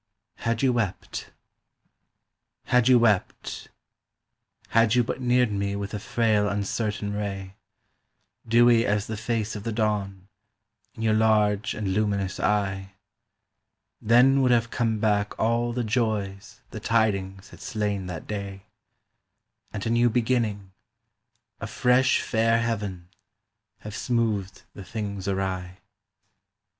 HAD YOU WEPT HAD you wept; had you but neared me with a frail uncertain ray, Dewy as the face of the dawn, in your large and luminous eye, Then would have come back all the joys the tidings had slain that day, And a new beginning, a fresh fair heaven, have smoothed the things awry.